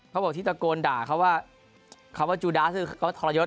เขาบอกที่ตะโกนด่าเขาว่าคำว่าจูดาคือเขาทรยศ